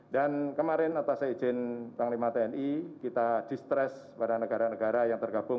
dan kemarin atas izin panglima tni kita distres pada negara negara yang tergabung